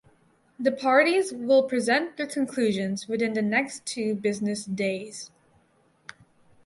The parties will present their conclusions within the next two business days.